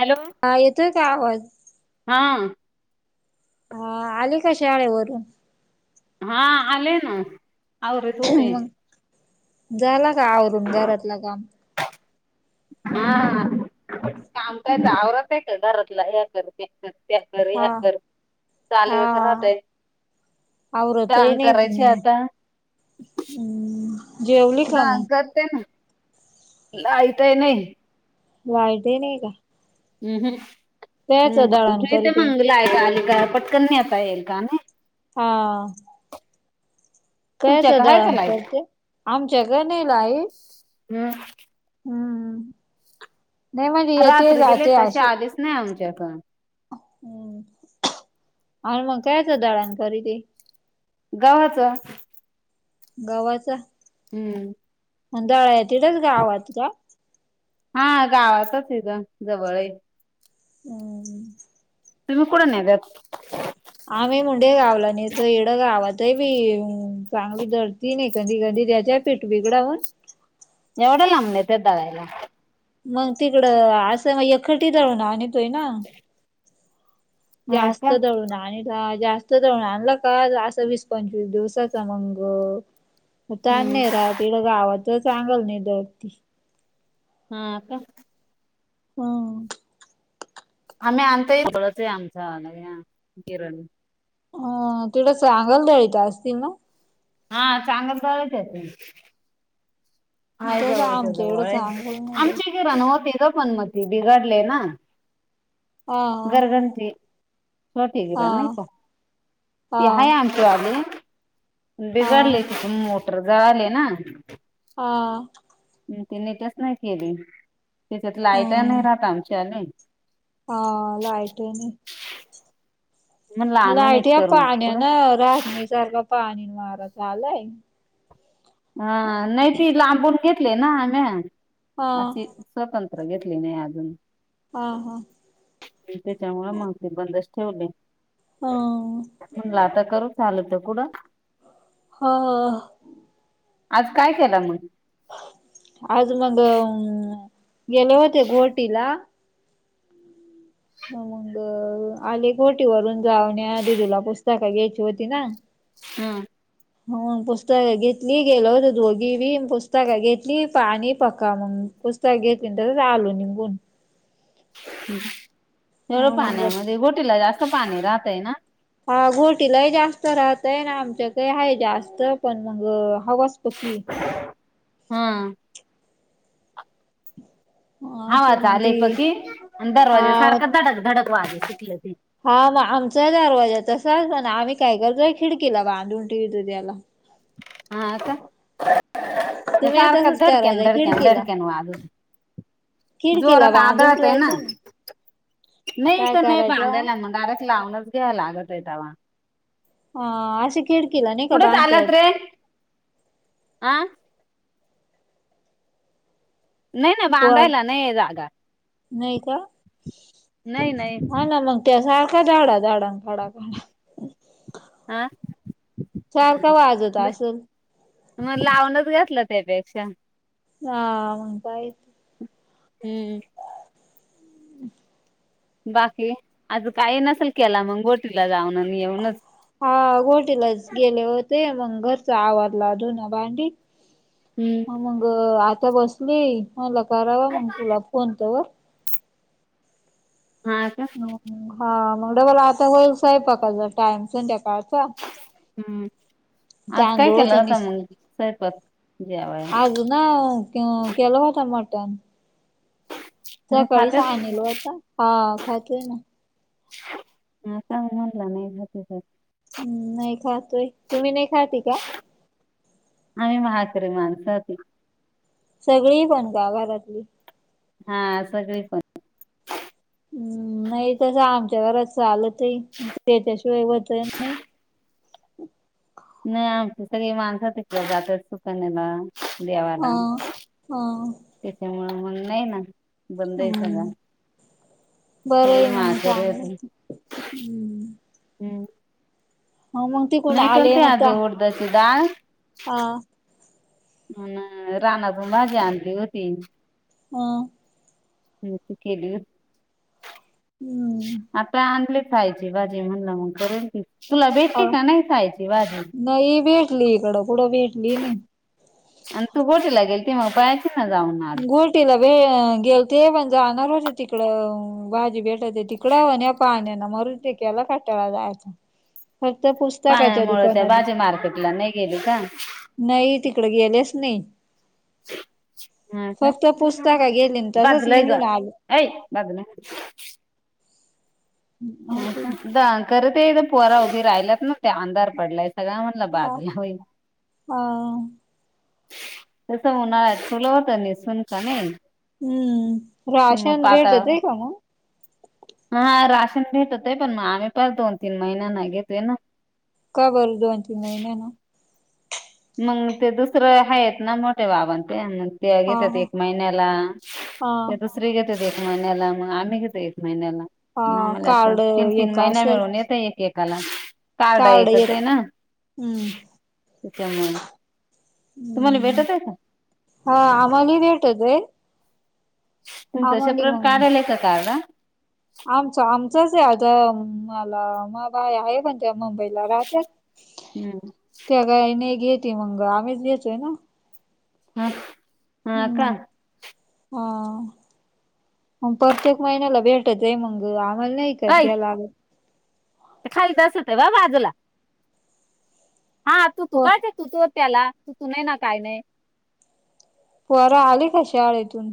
Hello आ येतोय का आवाज? हा. हा, आली का शाळेवरून. हा, आलेय ना. आवरत होते मग, झाला का आवरून घरातलं काम. हा, काम कायच आवरत आहे का, घरातला हे कर, ते कर. ते कर, हे हा कर, हा चालूच राहतय. आवरतही काम नाही पण करायची मग आता. हम्म. जेवली का दान मग करते ना, नाईतय नाही. वाईट नाही का. कायच हम्म-हम्म दळण ते करते मंगलायका आली का पटकन नेता येईल का नाही. हा. तुमच्या कयसं का आहे का दडण लाईट करते, आमच्या कणी लाईट. हम्म. हम्म नाही म्हणजे येते रात्री गेले जाते तसेच अशी आलीच नाही आमच्याकड. हम्म, आणि मग कयच दडान करीते. घवाच. घवाच. हम्म. मण दयाळ तिच गावात का. हा गावाचचेत गिरण जवळेय. हम्म. तुम्ही कुट नेत्यात. आम्ही मुंडे गावला नेतो, एडं गावात आहे, बी चांगली दळती नाही, कधी-कधी त्याच्यात. पेट बिघडवून. एवढं लांब नेत्यात दळायला. मग तिकडं असं मग एकटी दळून आणि तोय ना. हा का जास्त दळून आणि जास्त दळून आणलं का, असं वीस, पंचवीस दिवसाच मग. म त्या हम्म. नेराळ ते गावात चांगल चांगल नीट दळतती. हा का. हम्म. आम्ही आणता ये पडत आहे, आमचा किरण. अ तेवढं चांगल द्याळीथ असतील ना. हा, चांगल दळत्याती. हाय तसं जवळच्या आमच्या जवळ एवढं हाय, चांगल नाही दळीत आमची गिरण होती ग पण ती बिघाडलय ना. हा घरघंटी होती हा गिरण नाही का, हा ती हय आम्ही ली हा बिघडले तिथे मोटर झळाळी ना. हा. मग ती नीटच नाही केली, तिच्यात लाईट हम्म नाही राहत आमच्याने हा लाईटने. [inaudible] म्हणलं आणू नीट लाईट या करून पाण्या पुढं ना रस्नी सारखं पाणी, वारा चालू हाय. हा, नाही ती लांबून घेतलाय ना आस हा अशी. स्वतंत्र घेतली नाही अजून. हा, हा. म त्याच्यामुळे मागते बंदच ठेवले. ह म्हटलं आता करू, चालत कुडं. अ.. आज काय केला मग? आज मग गेले होते, गोहाटीला. मग आले गोटी वरून जाऊण्या, दिदूला पुस्तकं घ्यायची होती ना. [unintelligible] [inaudible] हो, पुस्तक घेतली, गेल दोघी बी पुस्तक घेतली पा पाणी पका- [unintelligible] [unintelligible] घेतेन तर आलू निघून. [unintelligible] मग पाण्यामध्ये गोटीला जास्त पाणी राहतय ना? हा, घोटीलाही जास्त राहतय, ना आमच्याकही आहे जास्त पण मग हवासप की. हा. हा हवा अशी मग चाले ती पकी आणि हा दरवाजे सारखं धडक, धडक वाजे तिथलं ते. हा, मग आमचा दरवाजा आहे तसा असत ना आम्ही काय करतोय, खिडकीला बांधून ठिवतो त्याला. हा, आता तुम्ही सारख तसंच धडक्यान, करायचा धडक्यान, खिडकीला धडक्यान वाज- खिडकीला जोरात बांधून आदळत आहे ना, ठेवायचं नाही काय तर नाही करायचं बांधायला मग डायरेक्ट लावणार. [unintelligible] लागतय तवा. हा आशे केडकीला नाय का कुठे बांधता येत. आं? नाही ना पोर, बांधायला नाही जागा नाही का, नाही नाही हा ना मग. त्या सारख धाडा, धाडा अन पाडा, पाडा. [unintelligible] सारख वाजत आसल? मग लावूनच घातलं त्यापेक्षा. हा, काय- हम्म. बाकी? आज काही नसेल केला मग गोटीला जाऊन आणि येऊनच. हा, गोटीलाच गेले होते, मग घरचा आवरल धूना, भांडी. हा, मग आता बसले, म्हटला करावा मग तुला फोन तवर. हा का? हा, मग डबल आता होयचं आहे, [unintelligible] हम्म, आज काय होत केलं आता निस मग स्वयपाक जेवायला? नाय, ते केला होत मटन. तुम्ही सकाळीच खातेच आणीलो होता. हा खात आहे ना. हा का म्हटला नाही [unintelligible] हम्म, नाही खातोय, तुम्ही नाही खातय का? आम्ही म्हातरी माणसात- सगळी पण का घरातली? हा सगळी पण. हम्म, नाही तसं आमच्यावरच चालतय, त्याच्याशिवाय [unintelligible] होत नाही. नाही, आमची सगळी माणसं तिकल्या जातात सुकण्याला- हा देवाला. हा त्याच्यामुळं मग नाही ना बंद आहे सगळ. हम्म बरं आहे मंग चांगलं. हं. हम्. ह, मग तीकून आले, म ता [unintelligible] हा. अन, रानातून भाजी आणली होती. हं. ती केली होती. हम्म आता आणले खायची भाजी. म्हणलं मग करेन की. तुला भेटली का नाही, खायची भाजी. नाही भेटली इकडं. कुठं भेटली नाही. अन् तू गोटीला गेलती मग, पायची ना जाऊन ना. गोटीला वे गेलते. पण जाणार होते तिकडं भाजी भेटते तिकडं. न या पाण्यान मरू दे. केला कटाळा जायचा. फक्त पुस् पाण्यामुळ त्या भाजी मार्केटला, नाही गेली का? नाही, तिकड गेलेच नाही. [inaudible] फक्त पुस्तक गेले, न तसंच निघून आले. ए बा [unintelligible] ना. अ होय का. खरं ते पोरं उभी राहिल्यात ना. ते अंधार पडलाय सगळा म्ह बाजुला होयना. तसं, उन्हाळ्यात ठुलं होतं निसून. का नाही. हम्म. पण मग राशन पाता भेटतय का? मग. हा, राशन भेटतय. पण मा आम्ही पण दोन- तीन महिन नाही घेतोय ना. का, बरं? दोन - तीन महिन्यानी. मग ते दुसरं हायत ना, मोठे बाबा. न तेन. त्या हा घेत्यात हा एक महिन्याला. ते हा दुस दुसरी घेतात एक महिन्याला. मग आम्ही घेतो एक महिन्याला. हा न आमाला असं. कार्ड तीन - तीन एक महिना असं मिळून येत एकेकाला. कार्ड एकचय न. हम्म त्यामुळ. तुम्हाली, हम्म भेटतय का? हा, आम्हाली भेटतय. तुमचं सेपरेट काढलय का? कार्ड. आमचं, आमचचय आता. मला मा बाय आहे पण. त्या मुंबईला राहतात. हम्म त्या गाई ने घेते मंग. आम्हीच घेतोय ना. हा. हा, हम्म का? हा. मग प्रत्येक महिन्याला भेटतय. मंग आम्हाला नाही, का विकत ऐ घ्यावं लागत. ते खालीच अस, ते व्हय बाजूला. हा, तू - तू हो काय ते तू- तू त्याला. तू - तू नाही ना काय नाही. पोरं आली का, शाळेतून?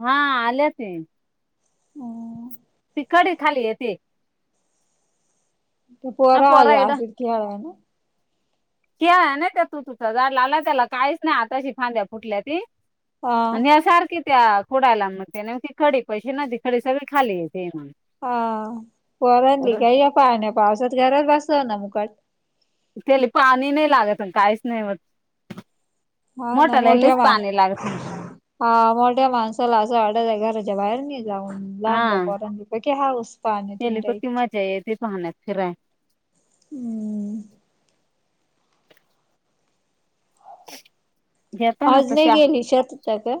हा, आल्याती. हम. कडी खाली येते. त हा पोरं आय, पोरा एवढं असंच खेळायला. खेळायला नाही. त्या तू - तुच्या झाडाला लाव. त्याला काहीच नाही. आताशी फांद्या फुटल्याती. हा आणि सारखी त्या खोडायलान म त्या खडी पैशे न खडी सगळी खाली येते म्हण. हा वर आणली काय या पाण्या पावसात घरात बसवा ना मुकट. त्याले पाणी नाही लागत काहीच नाही वट. हा ना मोटराला मोठ्या लईच मा पाणी लागते. हा मोठ्या माणसाला असं वाटतं घराच्या बाहेर नि जाऊन लहान ज्या पोरांचं पैकी हाऊस पाण्यात त्याले किती हिंडायची. मजा येते ते पाण्यात फिराय. हम्म. [unintelligible] आज नाही कशा गेली शेतता का?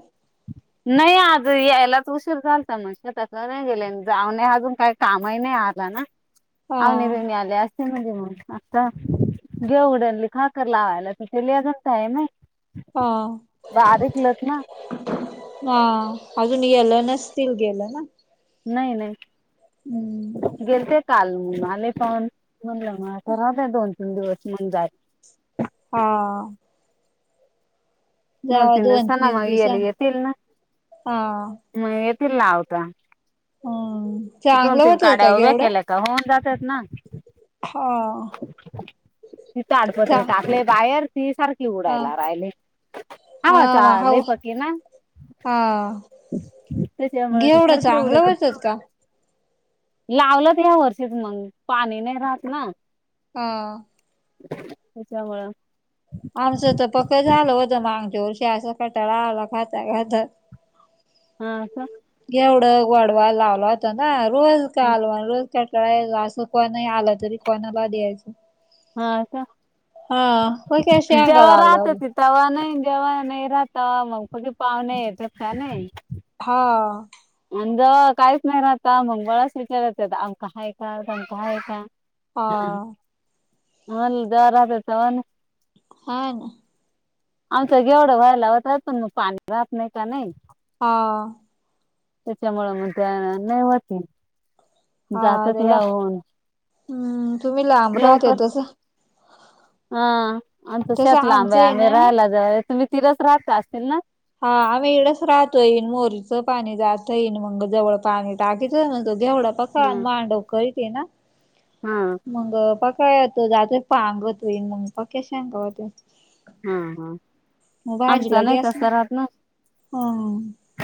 नाही आज यायलाच उशीर झालता म शेताला नाही गेले जाऊ नये अजून काय कामही नाही आला ना हा अवनि बिवणी आले अस ते म्हणजे म आता गे उडयन लिखाकर लावायला तर तेले अजून टाइम आहे. हा. बारीक लत ना ना अजून गेल्या नसतील गेलं ना. नाही नाही हम्म गेलते काल मंग आलेय पान म्हणलं म तर राहुदे दोन तीन दिवस मंग जाय. हा. दोन तीन दिवसांनी मग याले येतील ना हा मग येतील लावता. हम्म दोन चांगलं तीन होतल का काड्या उभ्या घेवढं केल्या का होऊन जातात ना. हा. ती चा ताडपत्र टाकलंय बाहेर ती सारखी हा उडायला राहिली हा चालेय पकी ना. हा तेच [unintelligible] एवढं कर तेवढं चांगलं तरी. होतच का लावलं या वर्षीच मंग पाणी नाही राहत ना. हां. त्याच्यामुळं आमचं तर पक्के झालं होत्या मागच्या वर्षी असं कटाळा आला खाता खाता हा का. ऐवढं गोडवा लावला होता ना रोज कालवाण रोज त्या कळेय असं कोणही आलं तरी कोणाला द्यायचं. हाव का. हा विक्या शेंगा लागल्या अजून. तवा नाही जवा नाही राहता मग पाहुणे येतात काय नाय. हा. आंदळा काहीच नाही राहता मंगळास विचारायत्यात आमका हाय का तूमका हाय का. हा हा अन जव्हा राहतात तवान. हा ना. आमचं जेव्हढं व्हायला होता तर म पाणी राहात नाही का नाही. हां. त्याच्यामुळं मग त्या नव्हती हा जातात त्याला याऊन. हम्म तुम्ही लांब राहतया तसं. हा आमच तसं शेत लांब आमचं आहे आम्ही ना राहायला जावळ आहे तुम्ही तिघच राहता असतील ना. हा आम्ही इकडंच राहतो येईन मोरीच पाणी जात येईन मंग जवळ पाणी टाकीचा न तो घेवढा पकाव हम्म मांडव करी ते ना हा मगपा काय दुदाच पांगत होई मग पक्या शेंगा होत्या हा, हा आमचा नाही तसा रात ना हा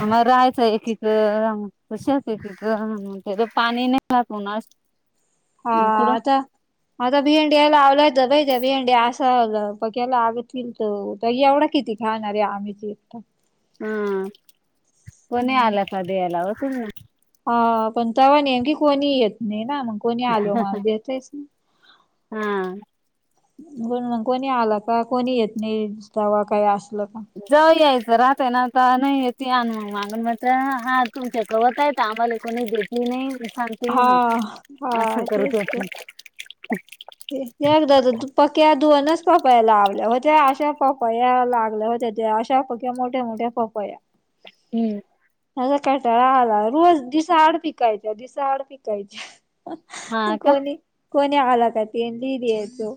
आम्हा राहायचं एकीक आमच शात एकीक पाणी नाही ना रहात हा आता आता भिंडी यायला आवलायेत पाहिजे भिंड्या असं आलं पक्याला तींत एवढा किती खाणार आहे आम्हीची एकट हा कोणी आला का द्यायला तुम ना ह पण तव्हा नेमकी कोणी येत नाही ना मग कोणी आलो माग देवतयस हा बोल ना कोण आलं का कोणी येत नाही जवा काही असल का जा यायचं राहतय ना आता नाही येती आण मग मागून मात्र हा तुमच्या कवत आहेत तब वाली कोणी देेती नाही सांगतीती हा नाही अस हा करत होते [unintelligible] ते एकदा पक्या दुनच पपाया लावल्या होत्या अशा पपा या लागल्या होत्या त्या त्या पक्या मोठ्या, मोठ्या पपया हम्म मझ कटाळा आला. रोज दिसाआड पिकायच्या दिसाआड पिकायच्या हा का कोणी, कोणी आला का तीच दियाचो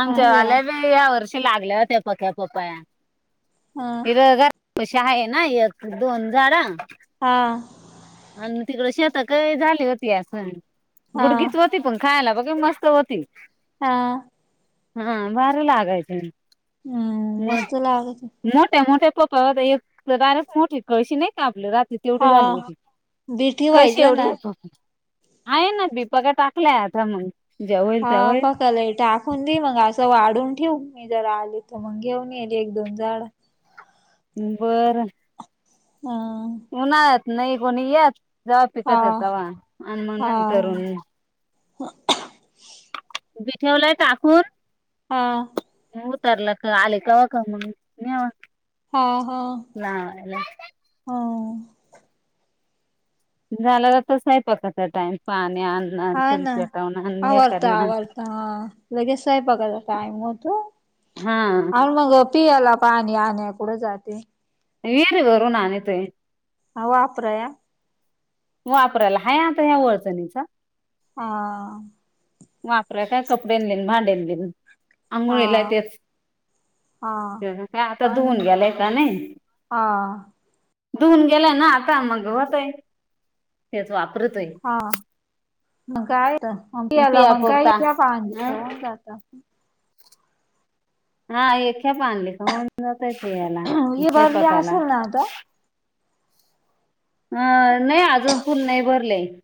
आमच्या वाल्या बी या वर्षी लागल्या होत्या पक्या पपया हा. हिरर पशी आहे ना एक, दोन झाड हा आणि तिकडे शेत काही झाली होती अस हा गुडगीच होत ती पण खायला बाकी मस्त होती हां हां भारी लागायची हम्म मस्त लागती मोठ्या, मोठ्या पपया एक रानच मोठी कळशी नाही का आपली राती तेवढी झाली हा. होती बी कळशी ठेवायचं एवढी ना आहे प आहे ना भीपका टाकलाय आता मग ज्या होईल हा त्या होईल पकाल येटा दून दे मग असं वाढून ठेव मी जरा आले तर मग घेऊन येले एक दोन झाड बरं ह उन्हात नाही कोणी यात जवा हा पिकत य तवा आणि मग हा नंतर [unintelligible] बी ठेवलाय ताकून आ उतारलं का आले कावा का मग नवा हा, हा, हा झाला आता स्वयंपाकाचा टाइम पाणी आण हायना आवरता आवरता हा लगेच स्वयंपाकाचा टाइम होतो हा आणि मग पियाला पाणी आणाय कुठं जाते एन थ्री वरून आणतोय. हं. वापराया. वापरायला आहे आमच्या [unintelligible] हां. वापराय काय कपडयांना आन भांड्याना [unintelligible] हा आंघोळीलाय तेच. हा [unintelligible] काय? आता आणि धुऊन मग गेलाय का नाही? हा धुऊन गेलाय ना आता? मग होत आहे. तेच वापरितोय. हा. मग काय होतंय? पिया पुरता [unintelligible] अ का होऊन जात. हा. एक [unintelligible] आणल का होऊन जात असलं याला हे भरले सैपाकाला. असेल ना आता- अं. नाही अजून [unintelligible] नाही भरलेय मी.